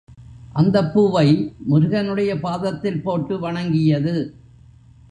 அந்தப் பூவை முருகனுடைய பாதத்தில் போட்டு வணங்கியது.